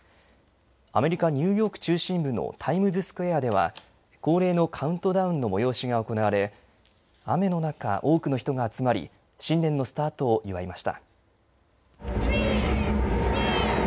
アメリカ・ニューヨーク中心部のタイムズスクエアでは、恒例のカウントダウンの催しが行われ、雨の中、多くの人が集まり、新年のスタートを祝いました。